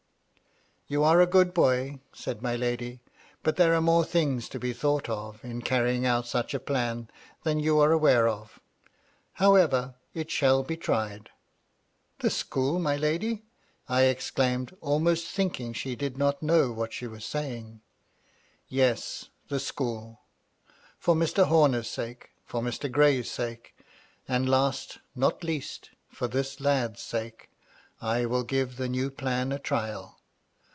" You are a good boy," said my lady. " But there are more things to be thought of, in carrying out such a plan, than you are aware of. However, it shall be tried.'' " The school, my lady ?" I exclaimed, almost think ing she did not know what she was saying. " Yes, the school For Mr. Homer'r. sake, for Mr. Gray's sake, and last, not least, for this lad's sake, I will give the new plan a trial.